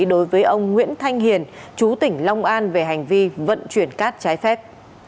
đối với ông nguyễn thanh hiền chú tỉnh long an về hành vi vận chuyển cát trái phép